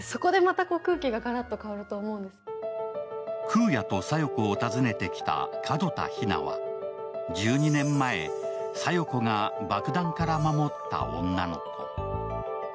空也と小夜子を訪ねてきた門田ひなは１２年前、小夜子が爆弾から守った女の子。